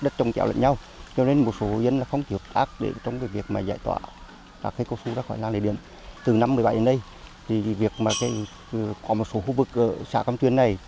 từ năm hai nghìn một mươi bảy đến nay việc có một số khu vực xã căm chuyên này